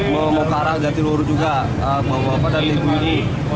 memukar jatiluhur juga bawa bapak dan ibu ini